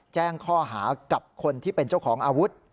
แจ้งข้อหากับคนที่เป็นเจ้าของอาวุธ